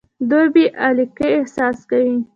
دوی بې علاقه احساس کوي.